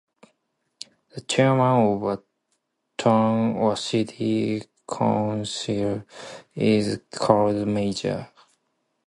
The chairman of a town or city council is called a mayor.